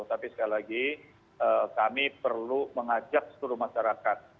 tapi sekali lagi kami perlu mengajak seluruh masyarakat